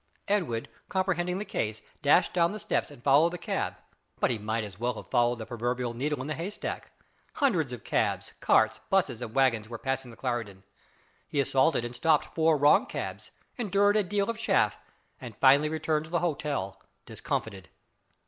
Edwin, comprehending the case, dashed down the steps and followed the cab; but he might as well have followed the proverbial needle in the haystack. Hundreds of cabs, carts, busses, and waggons were passing the Clarendon. He assaulted and stopped four wrong cabs, endured a deal of chaff, and finally returned to the hotel discomfited.